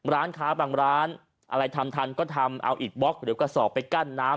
ร้านค้าบางร้านอะไรทำทันก็ทำเอาอิดบล็อกหรือกระสอบไปกั้นน้ำ